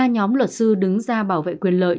ba nhóm luật sư đứng ra bảo vệ quyền lợi